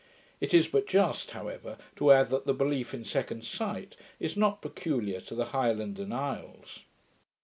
It is but just, however, to add, that the belief in second sight is not peculiar to the Highlands and Isles.